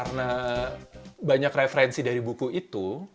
karena banyak referensi dari buku itu